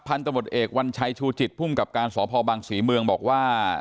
พันธบทเอกวันชายชูจิตผู้จำการศพศบังษีเมืองบอกว่า